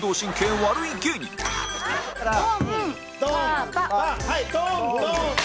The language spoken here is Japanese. はいトントン！